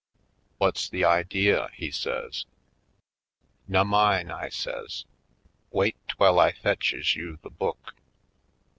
"What's the idea?" he says. "Nummine," I says. "Wait 'twell I fetches you the book."